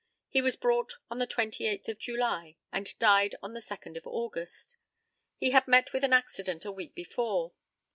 He was brought on the 28th of July and died on the 2nd of August. He had met with an accident a week before.